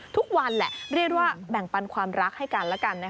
ทุกวันแหละเรียกว่าแบ่งปันความรักให้กันแล้วกัน